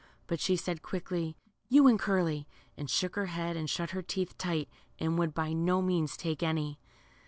But she said quickly, You and Curly," and shook her head and shut her teeth tight, and would by no means take any.